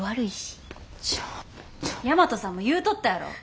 大和さんも言うとったやろ！